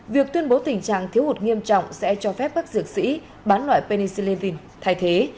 việc tuyên bố tình trạng thiếu hụt nghiêm trọng sẽ cho phép các dược sĩ bán loại pennye thay thế